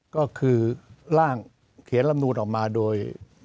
ก็คือร่างเขียนลำนูนออกมาโดย